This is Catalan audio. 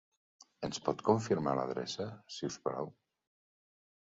Ens pot confirmar l'adreça, si us plau?